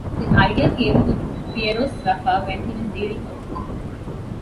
The idea came to Piero Sraffa when he was reading a book.